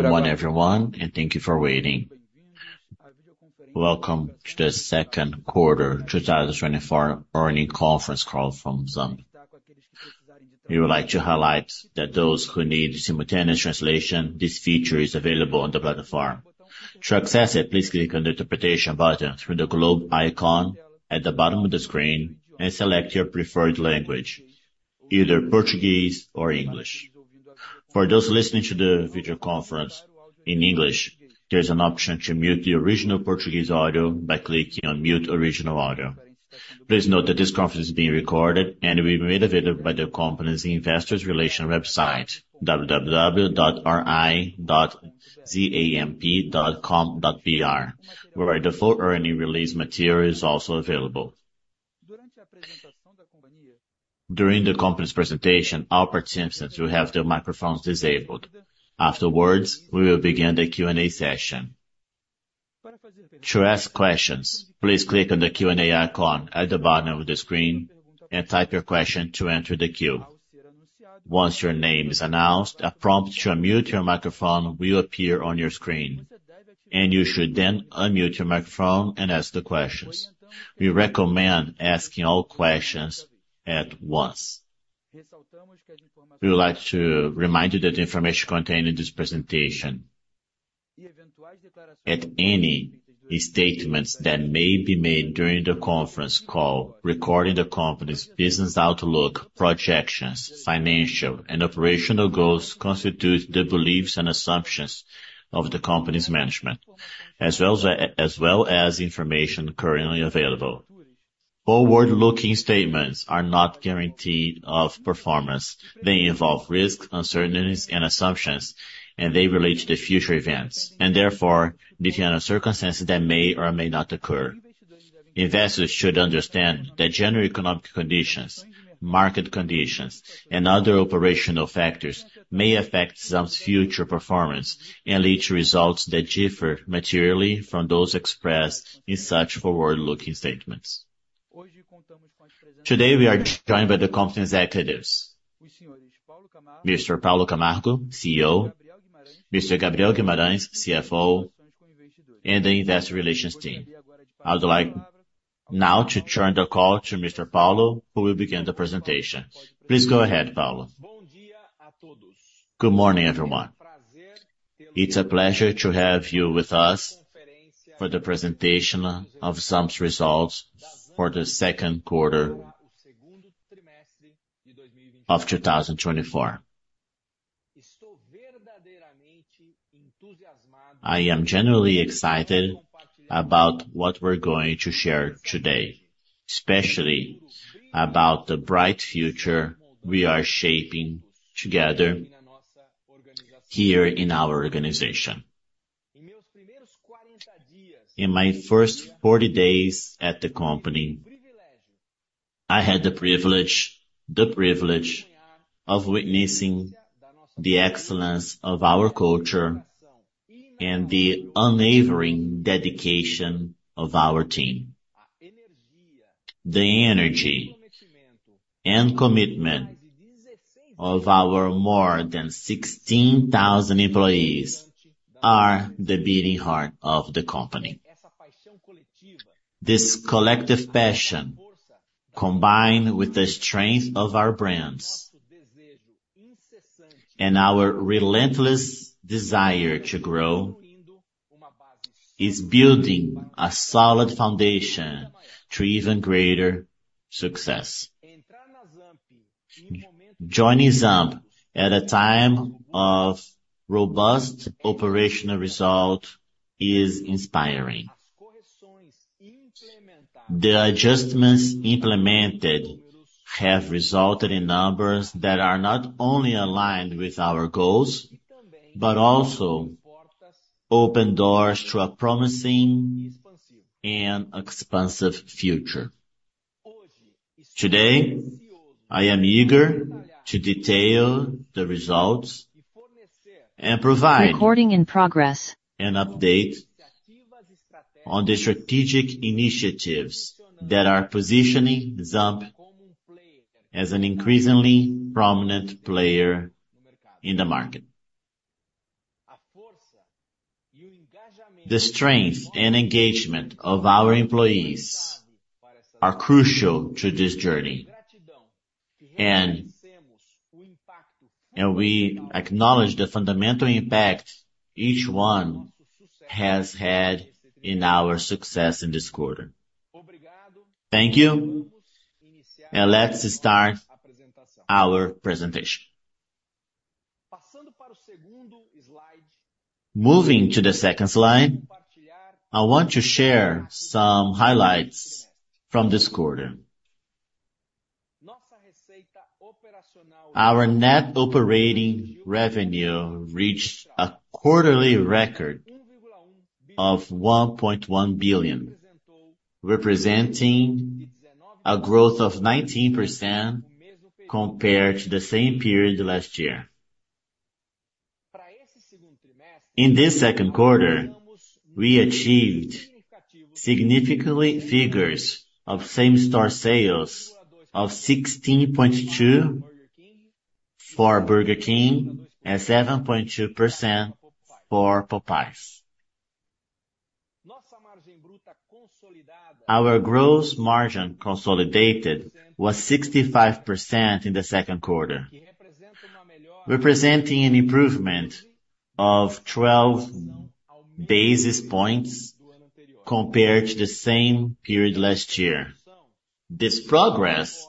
Good morning, everyone, and thank you for waiting. Welcome to the second quarter 2024 earnings conference call from ZAMP. We would like to highlight that those who need simultaneous translation, this feature is available on the platform. To access it, please click on the Interpretation button through the globe icon at the bottom of the screen and select your preferred language, either Portuguese or English. For those listening to the video conference in English, there's an option to mute the original Portuguese audio by clicking on Mute Original Audio. Please note that this conference is being recorded and will be made available by the company's Investor Relations website, www.ri.ZAMP.com.br, where the full earnings release material is also available. During the company's presentation, all participants will have their microphones disabled. Afterwards, we will begin the Q&A session. To ask questions, please click on the Q&A icon at the bottom of the screen and type your question to enter the queue. Once your name is announced, a prompt to unmute your microphone will appear on your screen, and you should then unmute your microphone and ask the questions. We recommend asking all questions at once. We would like to remind you that the information contained in this presentation, at any statements that may be made during the conference call, regarding the company's business outlook, projections, financial and operational goals, constitute the beliefs and assumptions of the company's management, as well as information currently available. Forward-looking statements are not guaranteed of performance. They involve risks, uncertainties and assumptions, and they relate to the future events, and therefore, depend on circumstances that may or may not occur. Investors should understand that general economic conditions, market conditions, and other operational factors may affect some future performance and lead to results that differ materially from those expressed in such forward-looking statements. Today, we are joined by the company executives, Mr. Paulo Camargo, CEO, Mr. Gabriel Guimarães, CFO, and the Investor Relations team. I would like now to turn the call to Mr. Paulo, who will begin the presentation. Please go ahead, Paulo. Good morning, everyone. It's a pleasure to have you with us for the presentation of ZAMP's results for the second quarter of 2024. I am genuinely excited about what we're going to share today, especially about the bright future we are shaping together here in our organization. In my first 40 days at the company, I had the privilege, the privilege of witnessing the excellence of our culture and the unwavering dedication of our team. The energy and commitment of our more than 16,000 employees are the beating heart of the company. This collective passion, combined with the strength of our brands and our relentless desire to grow, is building a solid foundation to even greater success. Joining ZAMP at a time of robust operational result is inspiring. The adjustments implemented have resulted in numbers that are not only aligned with our goals, but also open doors to a promising and expansive future. Today, I am eager to detail the results and provide an update on the strategic initiatives that are positioning ZAMP as an increasingly prominent player in the market. The strength and engagement of our employees are crucial to this journey, and we acknowledge the fundamental impact each one has had in our success in this quarter. Thank you, and let's start our presentation. Moving to the second slide, I want to share some highlights from this quarter. Our net operating revenue reached a quarterly record of 1.1 billion, representing a growth of 19% compared to the same period last year. In this second quarter, we achieved significant figures of same-store sales of 16.2% for Burger King and 7.2% for Popeyes. Our gross margin consolidated was 65% in the second quarter, representing an improvement of 12 basis points compared to the same period last year. This progress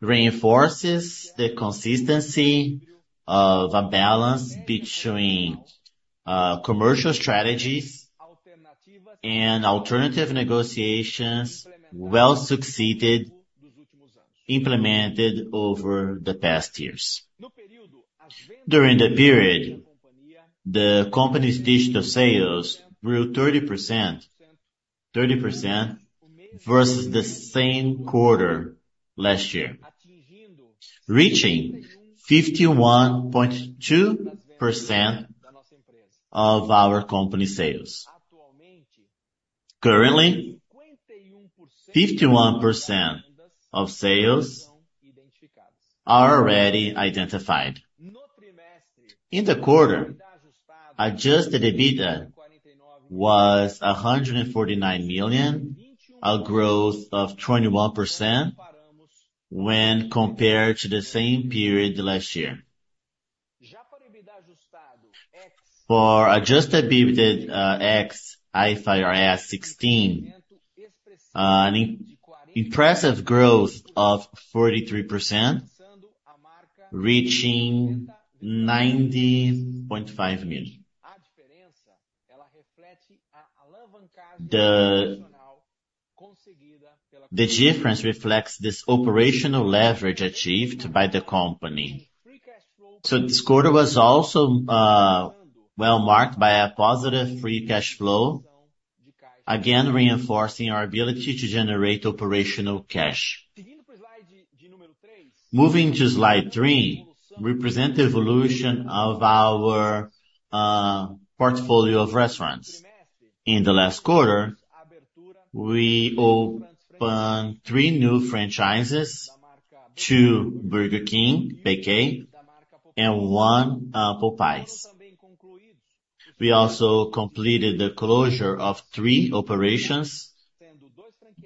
reinforces the consistency of a balance between commercial strategies and alternative negotiations, well-succeeded, implemented over the past years. During the period, the company's digital sales grew 30%, 30% versus the same quarter last year, reaching 51.2% of our company sales. Currently, 51% of sales are already identified. In the quarter, adjusted EBITDA was 149 million, a growth of 21% when compared to the same period last year. For adjusted EBITDA ex-IFRS 16, an impressive growth of 43%, reaching BRL 90.5 million. The difference reflects this operational leverage achieved by the company. So this quarter was also well marked by a positive free cash flow, again, reinforcing our ability to generate operational cash. Moving to slide 3, we present the evolution of our portfolio of restaurants. In the last quarter, we opened 3 new franchises, 2 Burger King, BK, and 1 Popeyes. We also completed the closure of three operations,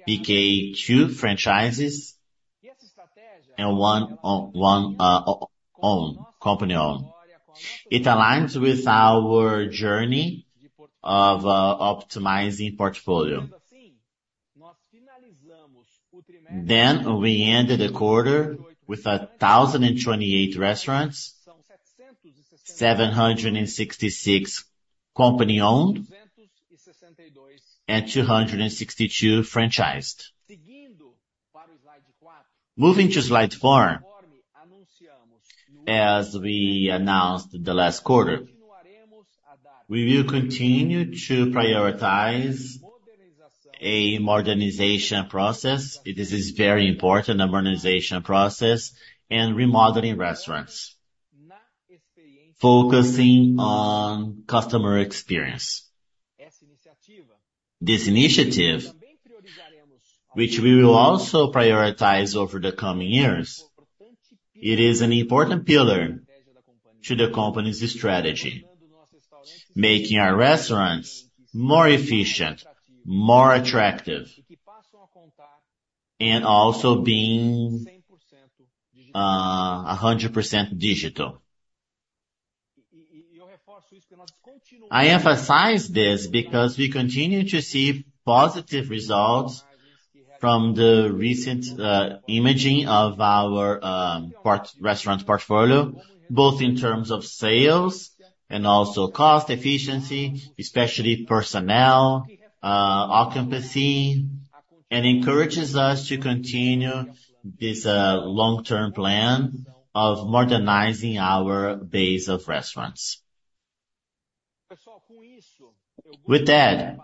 BK, two franchises, and one own company-owned. It aligns with our journey of optimizing portfolio. Then we ended the quarter with 1,028 restaurants, 766 company-owned and 262 franchised. Moving to slide four, as we announced in the last quarter, we will continue to prioritize a modernization process. It is very important, a modernization process and remodeling restaurants, focusing on customer experience. This initiative, which we will also prioritize over the coming years, it is an important pillar to the company's strategy, making our restaurants more efficient, more attractive, and also being 100% digital. I emphasize this because we continue to see positive results from the recent imaging of our restaurant portfolio, both in terms of sales and also cost efficiency, especially personnel, occupancy, and encourages us to continue this long-term plan of modernizing our base of restaurants. With that,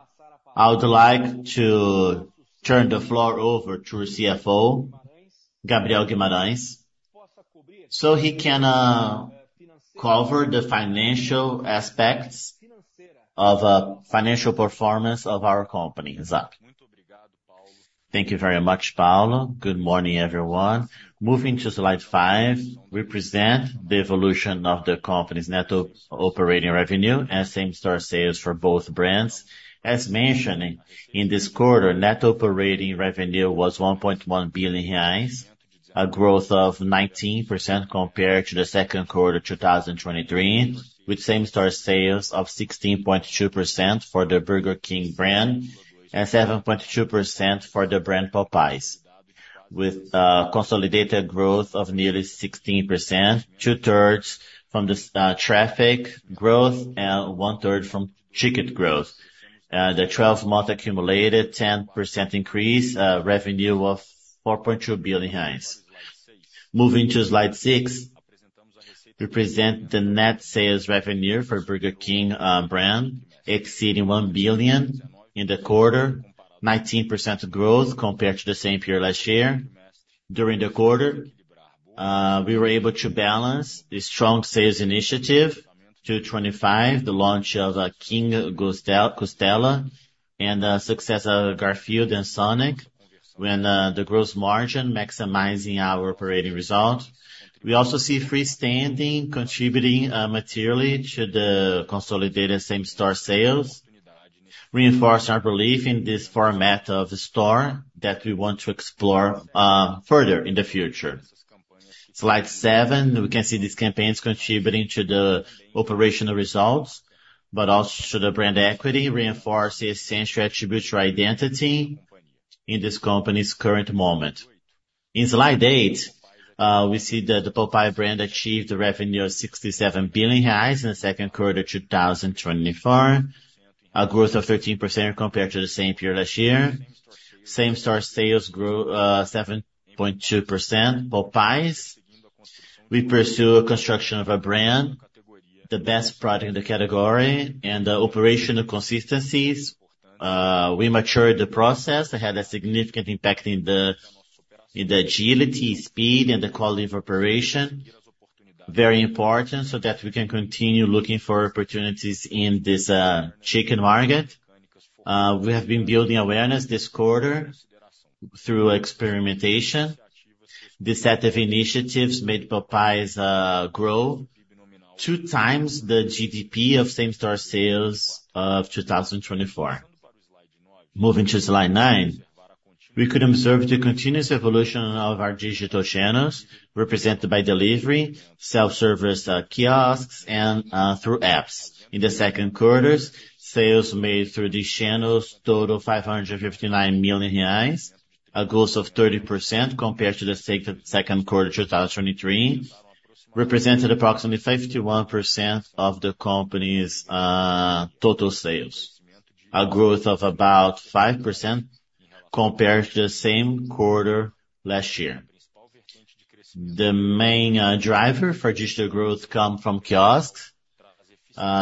I would like to turn the floor over to our CFO, Gabriel Guimarães, so he can cover the financial aspects of financial performance of our company in ZAMP. Thank you very much, Paulo. Good morning, everyone. Moving to slide five, we present the evolution of the company's net operating revenue and same-store sales for both brands. As mentioned, in this quarter, net operating revenue was 1.1 billion reais, a growth of 19% compared to the second quarter, 2023, with same-store sales of 16.2% for the Burger King brand and 7.2% for the brand Popeyes, with consolidated growth of nearly 16%, two-thirds from the traffic growth and one-third from ticket growth. The 12-month accumulated 10% increase, revenue of 4.2 billion reais. Moving to slide six, we present the net sales revenue for Burger King brand, exceeding 1 billion in the quarter, 19% growth compared to the same period last year. During the quarter-... We were able to balance the strong sales initiative to 25, the launch of King Costela, and success of Garfield and Sonic, when the gross margin maximizing our operating result. We also see freestanding contributing materially to the consolidated same-store sales, reinforcing our belief in this format of the store that we want to explore further in the future. Slide seven, we can see these campaigns contributing to the operational results, but also to the brand equity, reinforcing essential attributes or identity in this company's current moment. In slide eight, we see that the Popeyes brand achieved a revenue of 67 billion in the second quarter, 2024, a growth of 13% compared to the same period last year. Same-store sales grew 7.2%. Popeyes, we pursue a construction of a brand, the best product in the category, and operational consistencies. We matured the process, it had a significant impact in the, in the agility, speed, and the quality of operation. Very important, so that we can continue looking for opportunities in this chicken market. We have been building awareness this quarter through experimentation. This set of initiatives made Popeyes grow 2 times the GDP of same-store sales of 2024. Moving to slide ni we could observe the continuous evolution of our digital channels, represented by delivery, self-service, kiosks and through apps. In the second quarter, sales made through these channels total 559 million reais, a growth of 30% compared to the same second quarter, 2023, represented approximately 51% of the company's total sales. A growth of about 5% compared to the same quarter last year. The main driver for digital growth come from kiosks.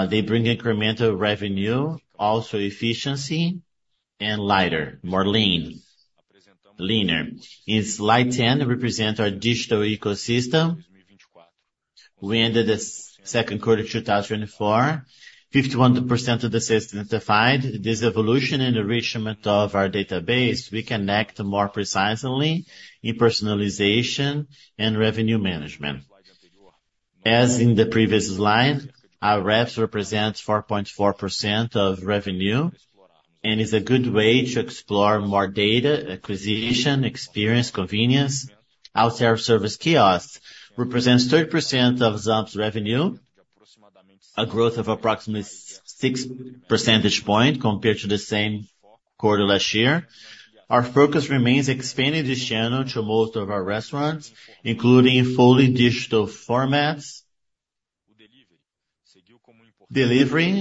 They bring incremental revenue, also efficiency and lighter, leaner. In slide 10, represent our digital ecosystem. We ended the second quarter of 2024, 51% of the sales identified. This evolution and enrichment of our database, we can act more precisely in personalization and revenue management. As in the previous slide, our apps represents 4.4% of revenue, and is a good way to explore more data, acquisition, experience, convenience. Our self-service kiosk represents 30% of ZAMP's revenue, a growth of approximately six percentage point compared to the same quarter last year. Our focus remains expanding this channel to most of our restaurants, including fully digital formats. Delivery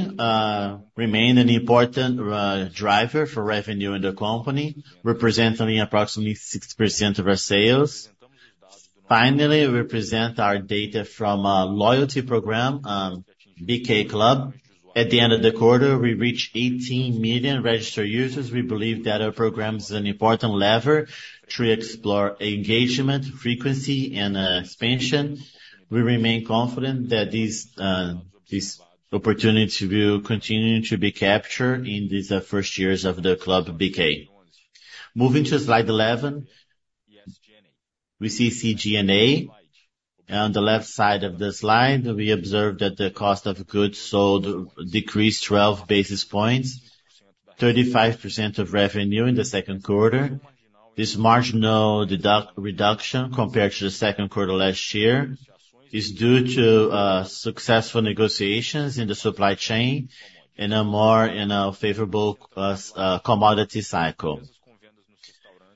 remained an important driver for revenue in the company, representing approximately 60% of our sales. Finally, we present our data from a loyalty program, Clube BK. At the end of the quarter, we reached 18 million registered users. We believe that our program is an important lever to explore engagement, frequency, and expansion. We remain confident that these opportunities will continue to be captured in these first years of the Clube BK. Moving to slide 11. We see SG&A. On the left side of the slide, we observe that the cost of goods sold decreased 12 basis points, 35% of revenue in the second quarter. This marginal reduction compared to the second quarter last year is due to successful negotiations in the supply chain, in a more favorable commodity cycle.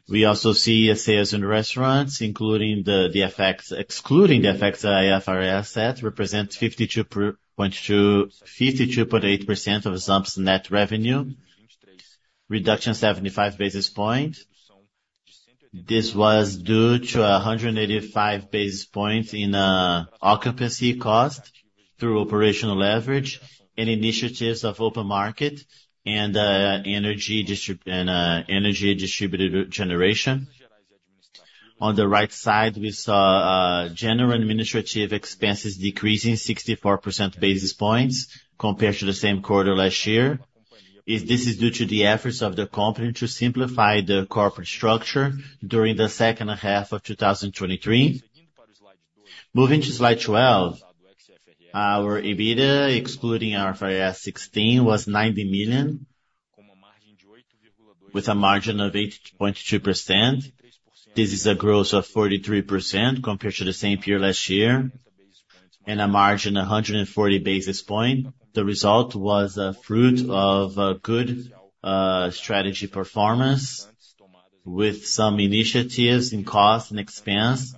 We also see sales in restaurants, excluding the effects of IFRS 16, represent 52.8% of ZAMP's net revenue, reduction 75 basis points. This was due to 185 basis points in occupancy cost through operational leverage and initiatives of open market and energy distributed generation. On the right side, we saw general administrative expenses decreasing 64 basis points compared to the same quarter last year. This is due to the efforts of the company to simplify the corporate structure during the second half of 2023. Moving to slide 12, our EBITDA, excluding IFRS 16, was 90 million, with a margin of 8.2%. This is a growth of 43% compared to the same period last year, and a margin 140 basis points. The result was a fruit of a good strategy performance, with some initiatives in cost and expense,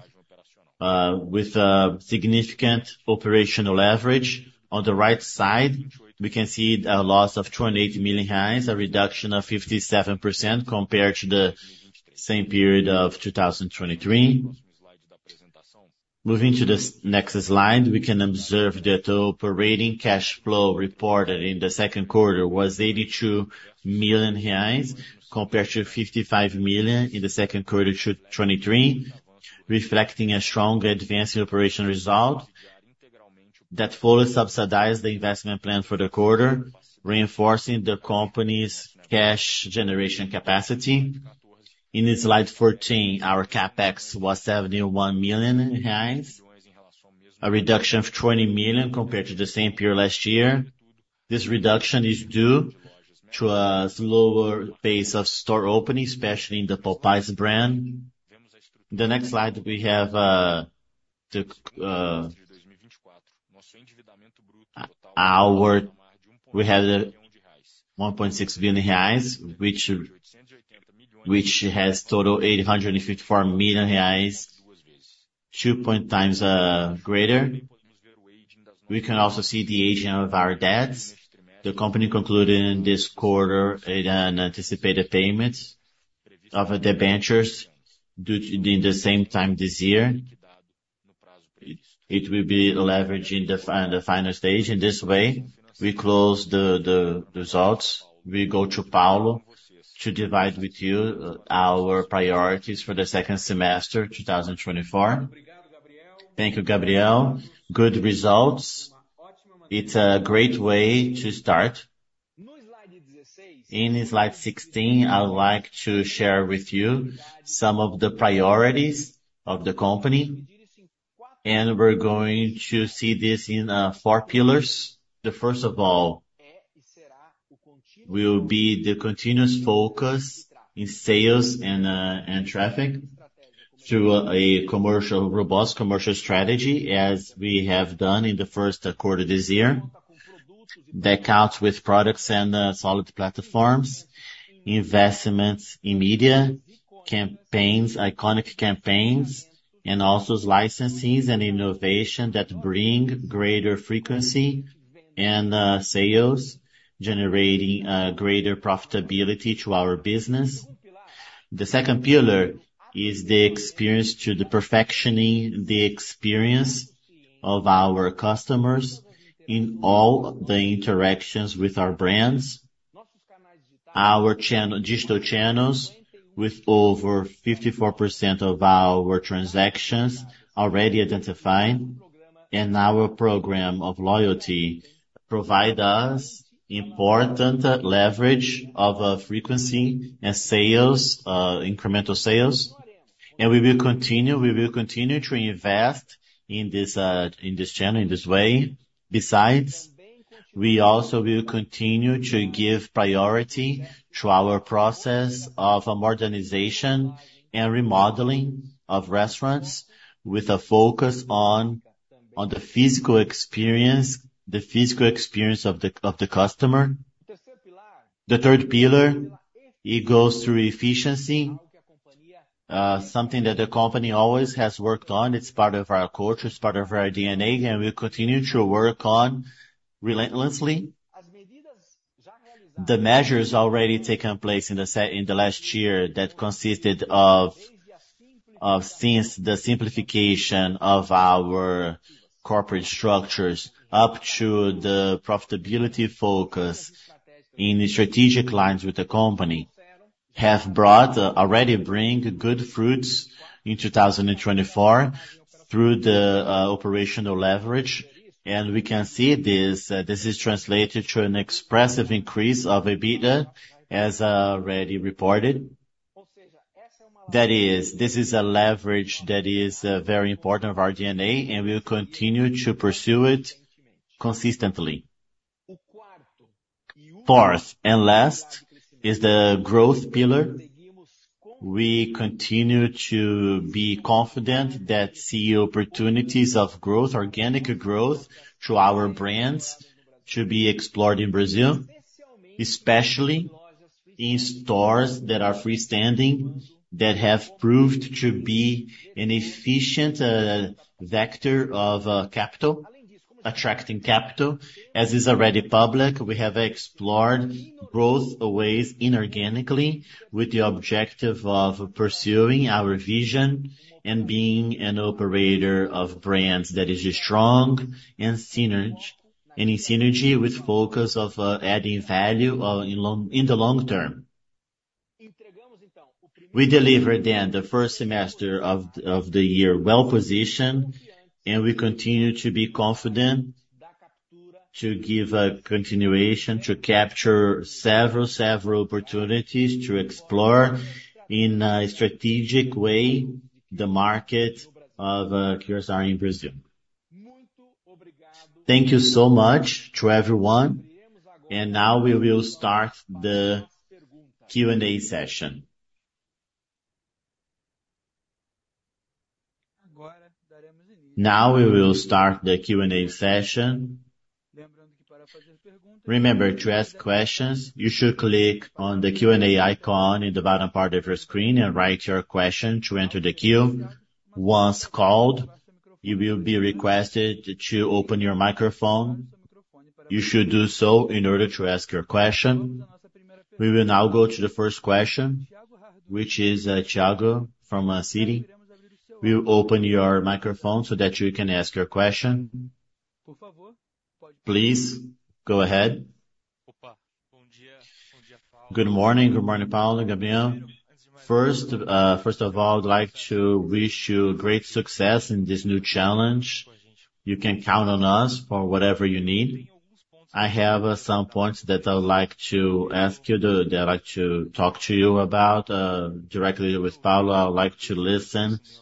with a significant operational leverage. On the right side, we can see a loss of 28 million, a reduction of 57% compared to the same period of 2023. Moving to the next slide, we can observe that operating cash flow reported in the second quarter was 82 million reais, compared to 55 million in the second quarter of 2023, reflecting a strong advance in operational result that fully subsidize the investment plan for the quarter, reinforcing the company's cash generation capacity. In slide 14, our CapEx was 71 million reais, a reduction of 20 million compared to the same period last year. This reduction is due to a slower pace of store opening, especially in the Popeyes brand. The next slide, we have the our we had 1.6 billion reais, which has total 854 million reais, two point times greater. We can also see the aging of our debts. The company concluded in this quarter an anticipated payments of debentures in the same time this year. It will be leveraging the final stage. In this way, we close the results. We go to Paulo to divide with you our priorities for the second semester, 2024. Thank you, Gabriel. Good results. It's a great way to start. In slide 16, I would like to share with you some of the priorities of the company, and we're going to see this in 4 pillars. The first of all will be the continuous focus in sales and traffic through a robust commercial strategy, as we have done in the first quarter this year. That counts with products and solid platforms, investments in media, campaigns, iconic campaigns, and also licenses and innovation that bring greater frequency and sales, generating greater profitability to our business. The second pillar is the experience to perfecting the experience of our customers in all the interactions with our brands. Our digital channels, with over 54% of our transactions already identified, and our program of loyalty provide us important leverage of frequency and sales, incremental sales. And we will continue, we will continue to invest in this, in this channel, in this way. Besides, we also will continue to give priority to our process of modernization and remodeling of restaurants with a focus on, on the physical experience, the physical experience of the, of the customer. The third pillar, it goes through efficiency, something that the company always has worked on. It's part of our culture, it's part of our DNA, and we continue to work on relentlessly. The measures already taken place in the last year that consisted of since the simplification of our corporate structures, up to the profitability focus in the strategic lines with the company, have brought already bring good fruits in 2024 through the operational leverage, and we can see this this is translated to an expressive increase of EBITDA, as already reported. That is, this is a leverage that is very important of our DNA, and we will continue to pursue it consistently. Fourth and last, is the growth pillar. We continue to be confident that see opportunities of growth, organic growth, to our brands to be explored in Brazil, especially in stores that are freestanding, that have proved to be an efficient vector of capital, attracting capital. As is already public, we have explored growth ways inorganically, with the objective of pursuing our vision and being an operator of brands that is strong and synergy and in synergy with focus of adding value in the long term. We deliver then the first semester of the year, well-positioned, and we continue to be confident to give a continuation, to capture several opportunities to explore in a strategic way the market of Food Service in Brazil. Thank you so much to everyone, and now we will start the Q&A session. Now, we will start the Q&A session. Remember, to ask questions, you should click on the Q&A icon in the bottom part of your screen and write your question to enter the queue. Once called, you will be requested to open your microphone. You should do so in order to ask your question. We will now go to the first question, which is, Tiago from Citi. We will open your microphone so that you can ask your question. Please, go ahead. Good morning. Good morning, Paulo and Gabriel. First, first of all, I'd like to wish you great success in this new challenge. You can count on us for whatever you need. I have, some points that I'd like to talk to you about, directly with Paulo. I would like to listen, as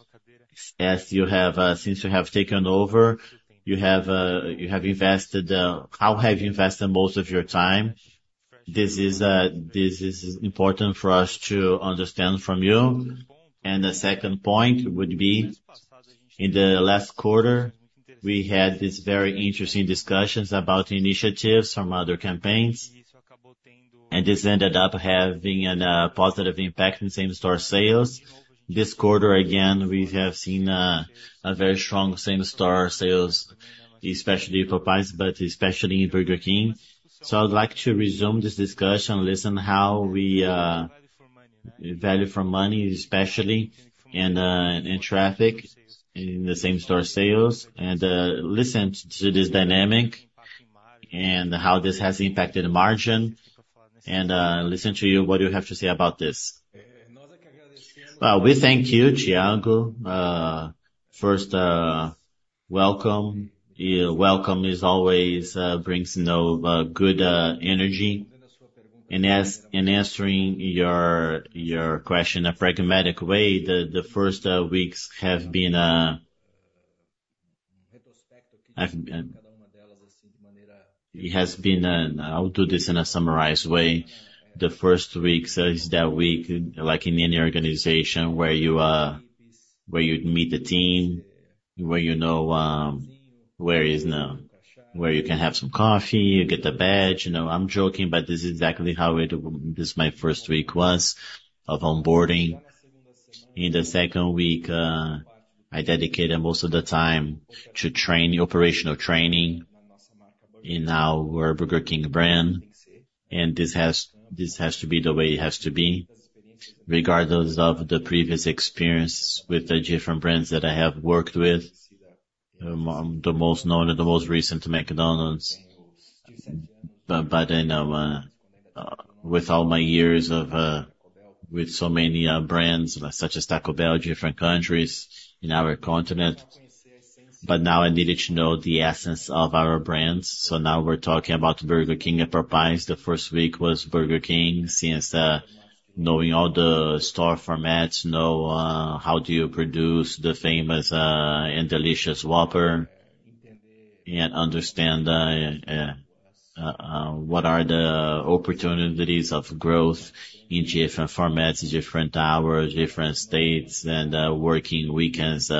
you have, since you have taken over, how have you invested most of your time? This is important for us to understand from you. The second point would be, in the last quarter, we had this very interesting discussions about initiatives from other campaigns, and this ended up having a positive impact in same store sales. This quarter, again, we have seen a very strong same store sales, especially Popeyes, but especially in Burger King. I'd like to resume this discussion, listen how we value for money, especially, and in traffic, in the same store sales, and listen to this dynamic and how this has impacted the margin, and listen to you, what you have to say about this. We thank you, Tiago. First, welcome. Welcome is always brings good energy. In answering your question in a pragmatic way, the first weeks have been... It has been. I'll do this in a summarized way. The first week, since that week, like in any organization where you, where you'd meet the team, where you know, where is now, where you can have some coffee, you get the badge, you know, I'm joking, but this is exactly how it. This, my first week, was of onboarding. In the second week, I dedicated most of the time to training, operational training, in our Burger King brand, and this has, this has to be the way it has to be. Regardless of the previous experience with the different brands that I have worked with, the most known and the most recent, McDonald's. But you know, with all my years of, with so many brands, such as Taco Bell, different countries in our continent, but now I needed to know the essence of our brands. So now we're talking about Burger King and Popeyes. The first week was Burger King, since knowing all the store formats, how do you produce the famous and delicious Whopper, and understand what are the opportunities of growth in different formats, different hours, different states, and working weekends,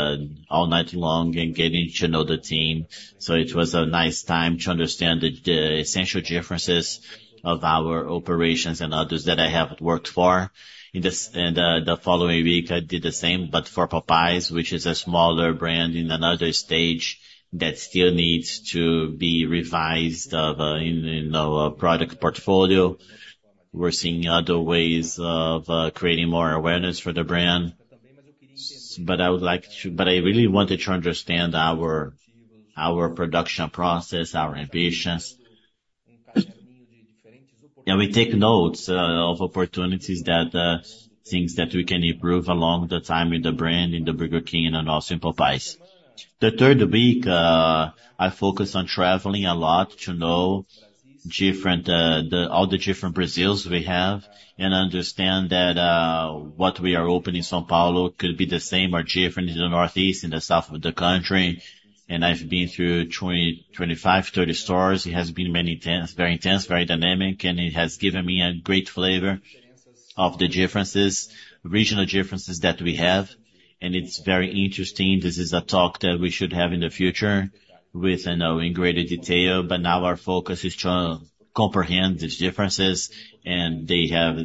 all night long and getting to know the team. So it was a nice time to understand the essential differences of our operations and others that I have worked for. In this and the following week, I did the same, but for Popeyes, which is a smaller brand in another stage that still needs to be revised of in our product portfolio. We're seeing other ways of creating more awareness for the brand. But I really wanted to understand our production process, our ambitions. Yeah, we take notes of opportunities, things that we can improve along the time with the brand, in the Burger King and also in Popeyes. The third week, I focused on traveling a lot to know all the different Brazils we have, and understand that what we are open in São Paulo could be the same or different in the Northeast and the South of the country. And I've been through 20, 25, 30 stores. It has been many intense, very intense, very dynamic, and it has given me a great flavor of the differences, regional differences that we have, and it's very interesting. This is a talk that we should have in the future with, you know, in greater detail, but now our focus is to comprehend these differences, and they have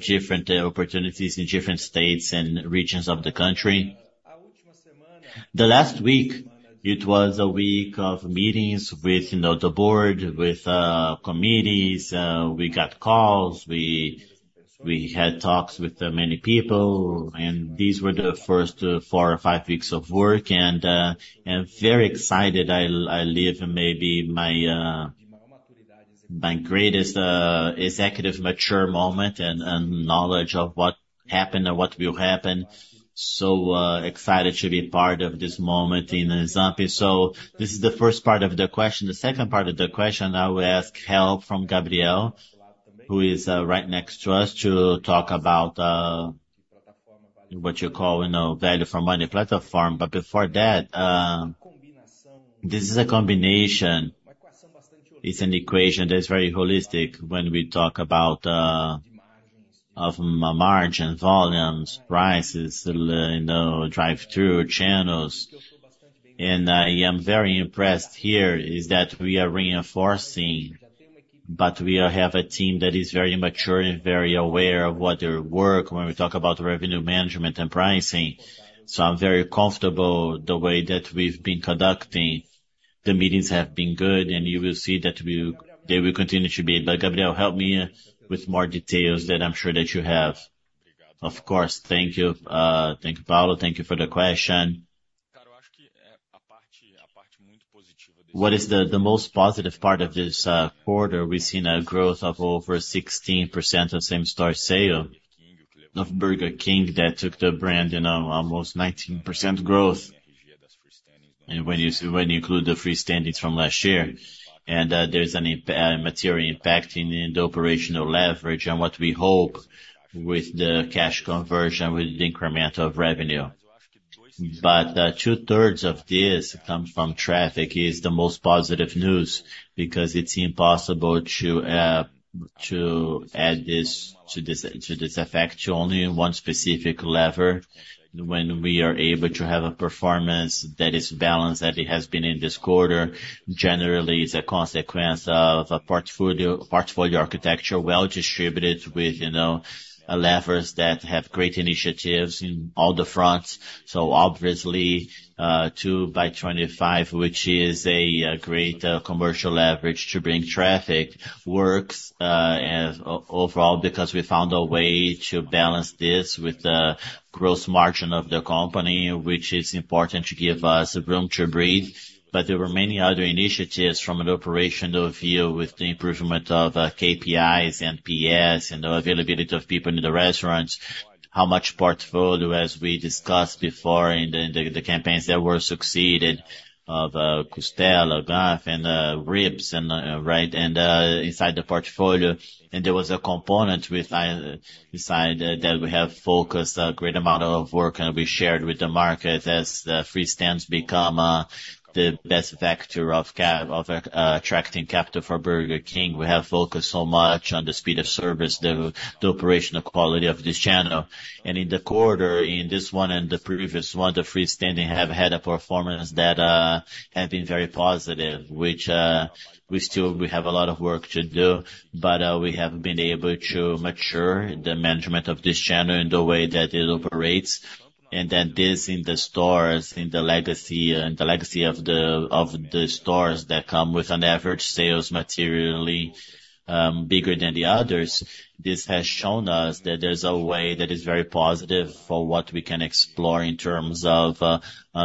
different opportunities in different states and regions of the country. The last week, it was a week of meetings with, you know, the board, with committees, we got calls, we had talks with many people, and these were the first four or five weeks of work, and I'm very excited. I live maybe my my greatest executive mature moment and knowledge of what happened and what will happen. Excited to be part of this moment in ZAMP. This is the first part of the question. The second part of the question, I will ask help from Gabriel, who is right next to us, to talk about what you call, you know, value for money platform. But before that, this is a combination. It's an equation that is very holistic when we talk about of margin, volumes, prices, you know, drive-through channels. I am very impressed here, is that we are reinforcing, but we have a team that is very mature and very aware of what their work, when we talk about revenue management and pricing. I'm very comfortable the way that we've been conducting. The meetings have been good, and you will see that they will continue to be. But Gabriel, help me with more details that I'm sure that you have. Of course. Thank you. Thank you, Paulo. Thank you for the question. What is the most positive part of this quarter? We've seen a growth of over 16% of same-store sale of Burger King, that took the brand, you know, almost 19% growth. And when you include the free standings from last year, and there's a material impact in the operational leverage and what we hope with the cash conversion, with the incremental of revenue. But two-thirds of this comes from traffic is the most positive news, because it's impossible to add this to this, to this effect, to only one specific lever. When we are able to have a performance that is balanced, that it has been in this quarter, generally is a consequence of a portfolio, portfolio architecture, well-distributed with, you know, levers that have great initiatives in all the fronts. So obviously, 2 by 25, which is a great commercial leverage to bring traffic, works as overall, because we found a way to balance this with the gross margin of the company, which is important to give us room to breathe. But there were many other initiatives from an operational view with the improvement of KPIs and NPS, and the availability of people in the restaurants. How much portfolio, as we discussed before in the, in the, the campaigns that were succeeded of Costela, Garfield and ribs and right, and inside the portfolio. There was a component with IPCA inside that we have focused a great amount of work, and we shared with the market as the free standing become the best vector of attracting capital for Burger King. We have focused so much on the speed of service, the operational quality of this channel. In the quarter, in this one and the previous one, the free standing have had a performance that have been very positive, which we have a lot of work to do, but we have been able to mature the management of this channel in the way that it operates. Then this, in the stores, in the legacy of the stores that come with an average sales materially bigger than the others, this has shown us that there's a way that is very positive for what we can explore in terms of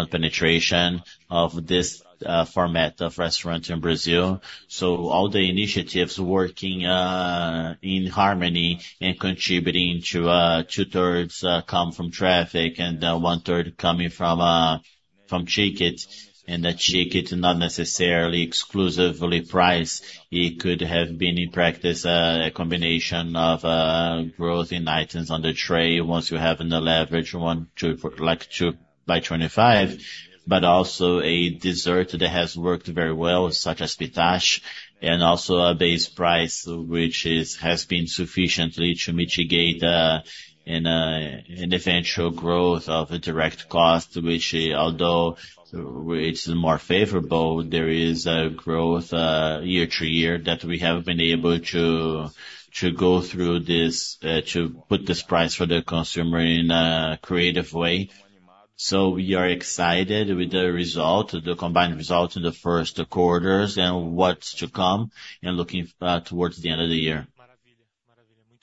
penetration of this format of restaurant in Brazil. So all the initiatives working in harmony and contributing to 2/3 come from traffic and 1/3 coming from ticket. The ticket, not necessarily exclusively price. It could have been, in practice, a combination of growth in items on the tray. Once you have a leverage, you want to like 2 by 25, but also a dessert that has worked very well, such as pistache, and also a base price, which has been sufficiently to mitigate an eventual growth of a direct cost, which, although it's more favorable, there is a growth year to year, that we have been able to go through this to put this price for the consumer in a creative way. So we are excited with the result, the combined result in the first quarters and what's to come, and looking towards the end of the year.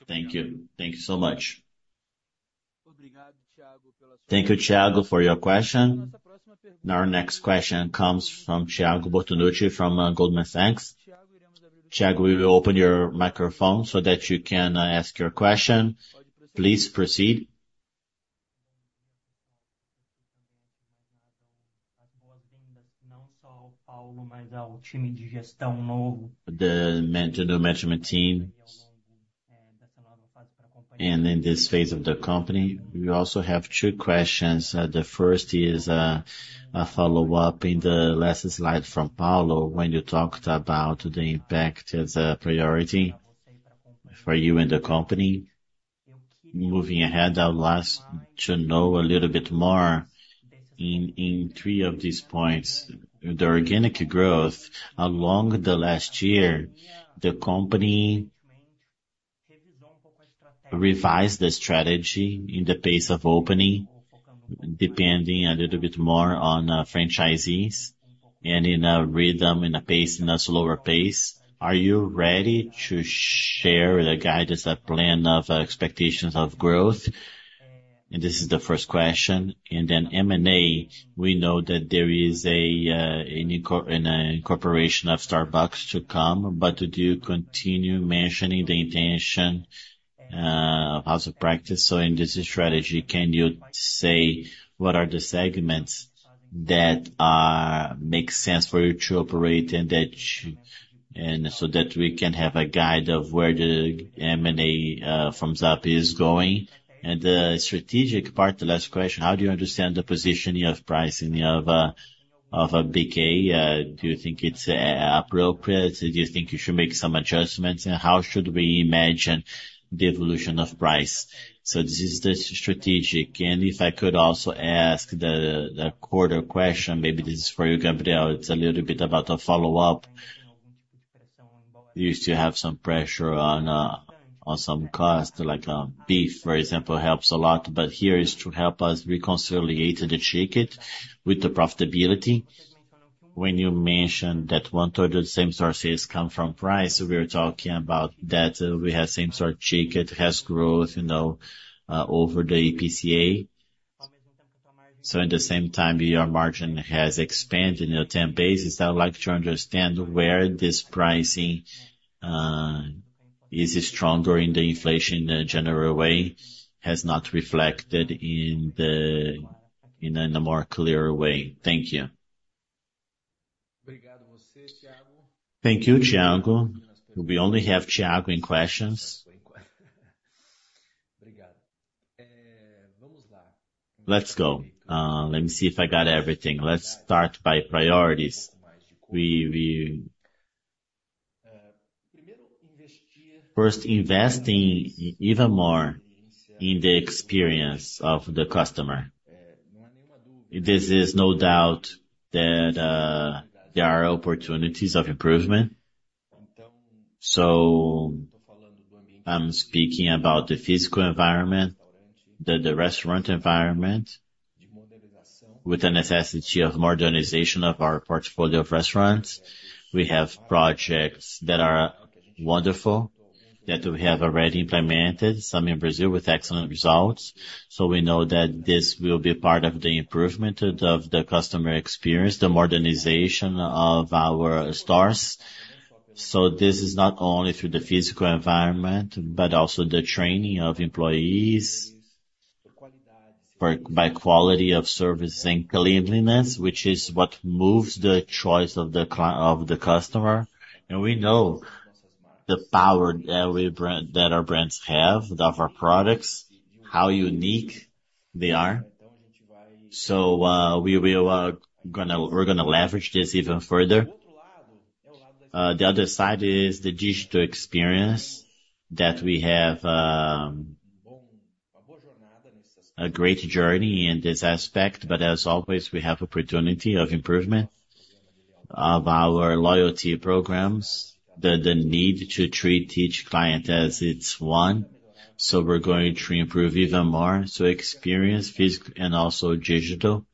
Thank you. Thank you so much. Thank you, Thiago, for your question. Now our next question comes from Thiago Bortoluci from Goldman Sachs. Thiago, we will open your microphone so that you can ask your question. Please proceed. The management team, and in this phase of the company, we also have two questions. The first is a follow-up in the last slide from Paulo, when you talked about the impact as a priority for you and the company. Moving ahead, I'd like to know a little bit more in three of these points. The organic growth. Along the last year, the company revised the strategy in the pace of opening, depending a little bit more on franchisees and in a rhythm, in a pace, in a slower pace. Are you ready to share the guidance, a plan of expectations of growth? And this is the first question. And then M&A, we know that there is an incorporation of Starbucks to come, but do you continue mentioning the intention of house of brands? So in this strategy, can you say what are the segments that make sense for you to operate and that and so that we can have a guide of where the M&A from ZAMP is going? And the strategic part, the last question: How do you understand the positioning of pricing of of BK? Do you think it's appropriate? Do you think you should make some adjustments? And how should we imagine the evolution of price? So this is the strategic. And if I could also ask the the quarter question, maybe this is for you, Gabriel, it's a little bit about a follow-up. You still have some pressure on on some costs, like beef, for example, helps a lot, but here is to help us reconcile the ticket with the profitability. When you mentioned that one third of the same store sales come from price, we are talking about that we have same store ticket has growth, you know, over the IPCA. So at the same time, your margin has expanded in the 10 basis. I would like to understand where this pricing is stronger in the inflation in a general way, has not reflected in the, in a, in a more clearer way. Thank you. Thank you, Thiago. We only have Thiago in questions. Let's go. Let me see if I got everything. Let's start by priorities. We, we-- First, investing even more in the experience of the customer. This is no doubt that there are opportunities of improvement. So I'm speaking about the physical environment, the, the restaurant environment, with the necessity of modernization of our portfolio of restaurants. We have projects that are wonderful, that we have already implemented, some in Brazil, with excellent results. So we know that this will be part of the improvement of the customer experience, the modernization of our stores. So this is not only through the physical environment, but also the training of employees, by quality of service and cleanliness, which is what moves the choice of the client of the customer. And we know the power that our brands have, of our products, how unique they are. So, we will, we're gonna leverage this even further. The other side is the digital experience that we have, a great journey in this aspect. But as always, we have opportunity of improvement of our loyalty programs, the need to treat each client as it's one. So we're going to improve even more, so experience, physical and also digital.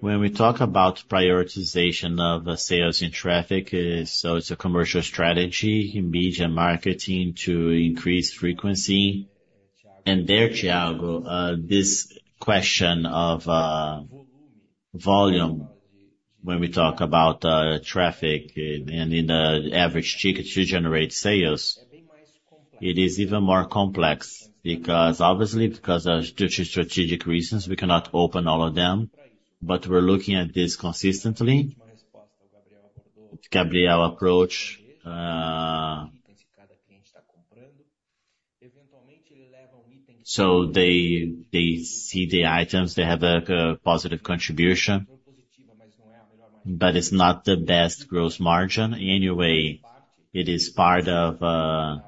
When we talk about prioritization of the sales and traffic, so it's a commercial strategy in media and marketing to increase frequency. And there, Thiago, this question of volume, when we talk about traffic and in the average ticket to generate sales, it is even more complex because obviously, due to strategic reasons, we cannot open all of them. But we're looking at this consistently. Gabriel approach... So they see the items, they have a positive contribution, but it's not the best gross margin. Anyway, it is part of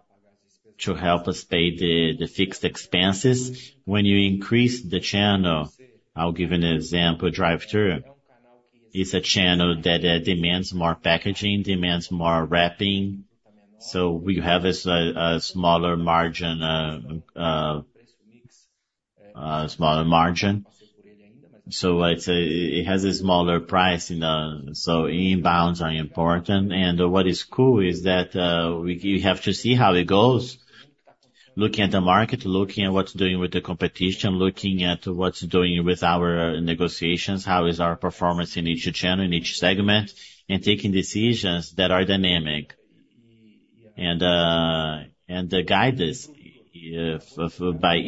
to help us pay the fixed expenses. When you increase the channel, I'll give an example, drive-thru is a channel that demands more packaging, demands more wrapping. So we have a smaller margin, smaller margin. So I'd say it has a smaller price in the, so inbounds are important. What is cool is that, we have to see how it goes, looking at the market, looking at what's doing with the competition, looking at what's doing with our negotiations, how is our performance in each channel, in each segment, and taking decisions that are dynamic. The guidance,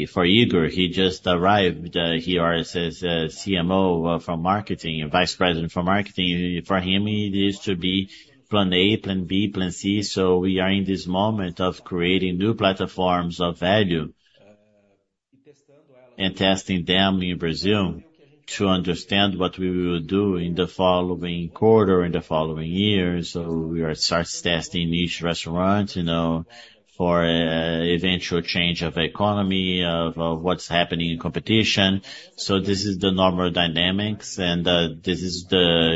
for Igor, he just arrived here as CMO from marketing and vice president for marketing. For him, it is to be plan A, plan B, plan C. So we are in this moment of creating new platforms of value, and testing them in Brazil to understand what we will do in the following quarter, in the following years. So we are starting testing each restaurant, you know, for eventual change of economy, of what's happening in competition. So this is the normal dynamics, and this is.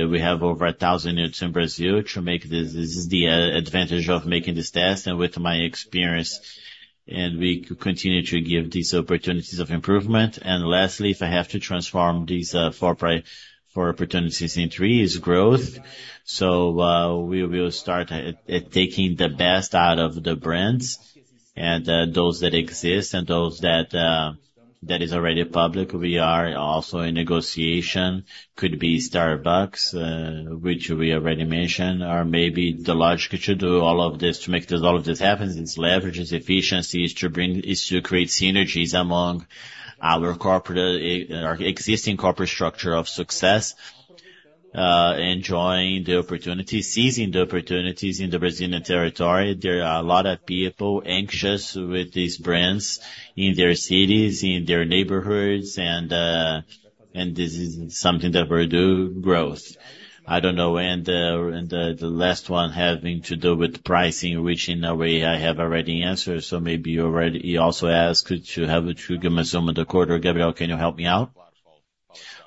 We have over 1,000 units in Brazil to make this. This is the advantage of making this test and with my experience, and we continue to give these opportunities of improvement. And lastly, if I have to transform these four opportunities in three, is growth. So we will start taking the best out of the brands and those that exist and those that is already public. We are also in negotiation, could be Starbucks, which we already mentioned, or maybe the logic to do all of this, to make this all of this happen, is to create synergies among our corporate, our existing corporate structure of success, enjoying the opportunity, seizing the opportunities in the Brazilian territory. There are a lot of people anxious with these brands in their cities, in their neighborhoods, and this is something that we're doing, growth. I don't know. The last one having to do with pricing, which in a way, I have already answered. So maybe you already, you also asked to have a summary of the quarter. Gabriel, can you help me out?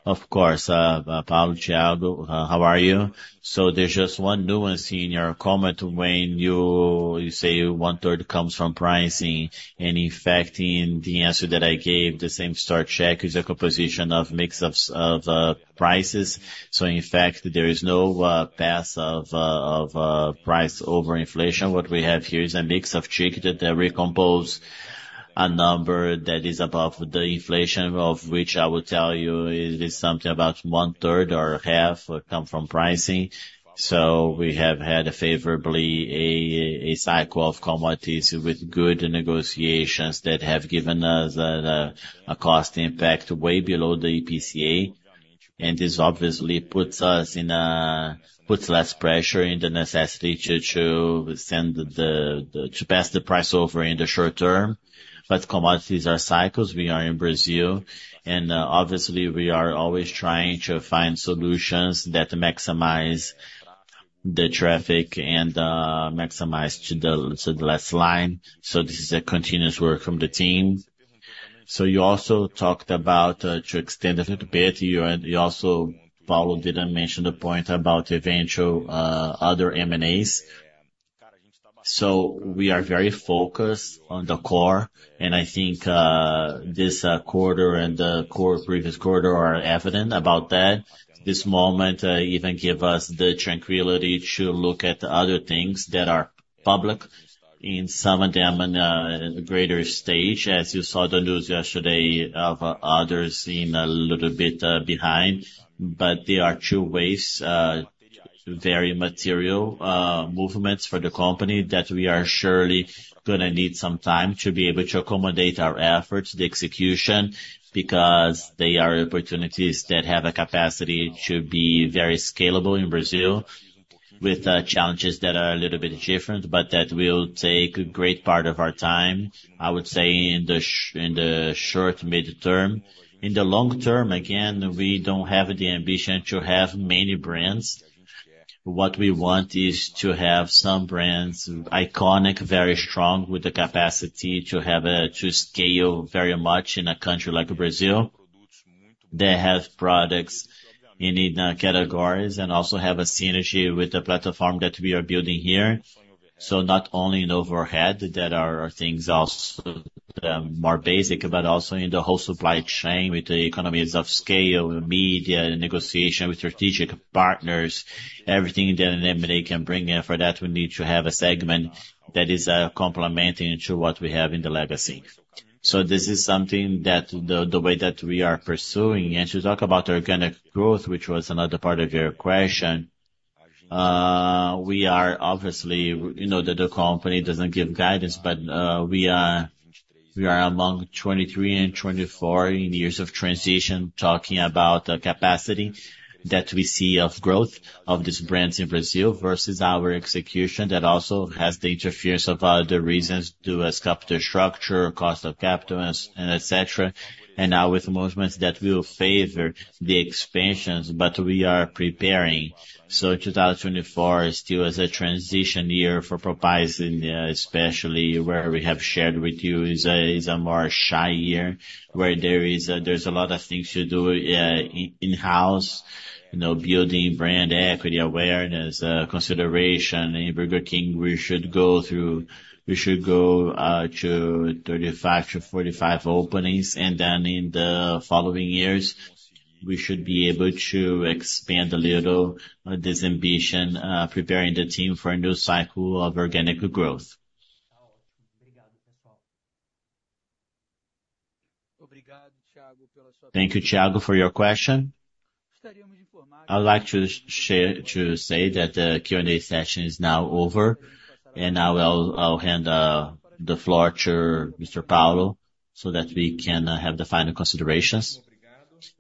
Of course, Paulo, Thiago, how are you? So there's just one nuance in your comment when you say one third comes from pricing. In fact, in the answer that I gave, the same store check is a composition of mix of prices. So in fact, there is no path of price over inflation. What we have here is a mix of check that recomposes a number that is above the inflation, of which I will tell you, it is something about one-third or half come from pricing. So we have had favorably a cycle of commodities with good negotiations that have given us a cost impact way below the IPCA. And this obviously puts less pressure in the necessity to pass the price over in the short term. But commodities are cycles. We are in Brazil, and obviously, we are always trying to find solutions that maximize the traffic and maximize to the last line. So this is a continuous work from the team. So you also talked about to extend a little bit, you and you also - Paulo didn't mention the point about eventual other M&As. So we are very focused on the core, and I think this quarter and the core previous quarter are evident about that. This moment even give us the tranquility to look at other things that are public, in some of them in greater stage, as you saw the news yesterday of others in a little bit behind. But there are two ways, very material movements for the company that we are surely gonna need some time to be able to accommodate our efforts, the execution, because they are opportunities that have a capacity to be very scalable in Brazil, with challenges that are a little bit different, but that will take a great part of our time, I would say, in the short, mid-term. In the long term, again, we don't have the ambition to have many brands. What we want is to have some brands, iconic, very strong, with the capacity to have, to scale very much in a country like Brazil. They have products in, in categories and also have a synergy with the platform that we are building here. So not only in overhead, there are things also, more basic, but also in the whole supply chain, with the economies of scale, media, and negotiation with strategic partners, everything that an M&A can bring in. For that, we need to have a segment that is, complementing to what we have in the legacy. So this is something that the way that we are pursuing. To talk about organic growth, which was another part of your question, we are obviously. You know that the company doesn't give guidance, but we are, we are among 2023 and 2024 in years of transition, talking about the capacity that we see of growth of these brands in Brazil versus our execution, that also has the interference of other reasons to a capital structure, cost of capital, and et cetera, and now with movements that will favor the expansions, but we are preparing. 2024 is still as a transition year for ZAMP S.A., and especially where we have shared with you, is a more shy year, where there's a lot of things to do, in-house, you know, building brand equity, awareness, consideration. In Burger King, we should go to 35-45 openings, and then in the following years, we should be able to expand a little this ambition, preparing the team for a new cycle of organic growth. Thank you, Thiago, for your question. I'd like to say that the Q&A session is now over, and now I'll hand the floor to Mr. Paulo, so that we can have the final considerations.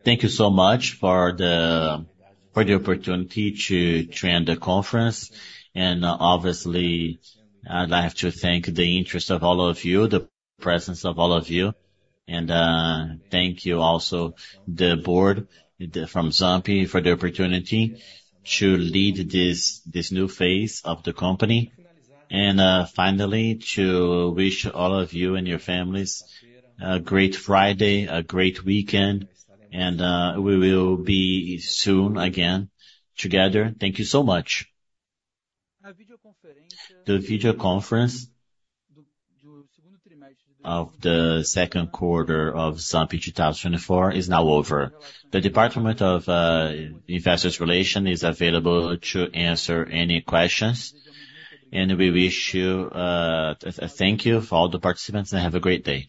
Thank you so much for the opportunity to join the conference. And obviously, I'd like to thank the interest of all of you, the presence of all of you. And thank you also the board from ZAMP for the opportunity to lead this new phase of the company. Finally, to wish all of you and your families a great Friday, a great weekend, and we will be soon again together. Thank you so much. The video conference of the second quarter of ZAMP 2024 is now over. The Investor Relations Department is available to answer any questions, and we wish you... Thank you for all the participants, and have a great day.